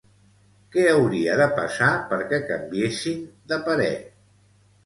Què hauria de passar perquè canviessin de parer?